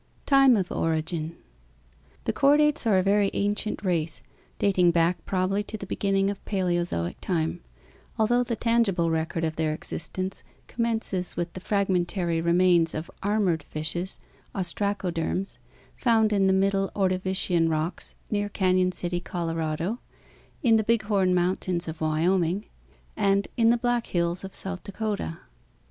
Time of Origin The chordates are a very ancient race, dating back probably to the beginning of Paleozoic time, although the tangible record of their existence commences with the fragmentary remains of armored "fishes" (ostracoderms) found in Middle Ordovician rocks near Canyon City, Colorado, in the Big Horn Mountains of Wyoming, and in the Black Hills of South Dakota.